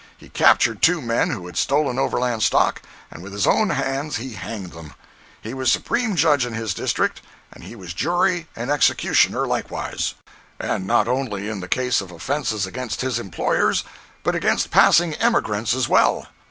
He captured two men who had stolen overland stock, and with his own hands he hanged them. He was supreme judge in his district, and he was jury and executioner likewise—and not only in the case of offences against his employers, but against passing emigrants as well.